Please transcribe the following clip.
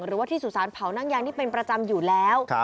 หรือว่าที่สุสานเผานั่งยางนี่เป็นประจำอยู่แล้ว